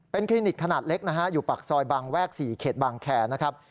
คลินิกขนาดเล็กนะฮะอยู่ปากซอยบางแวก๔เขตบางแคร์นะครับ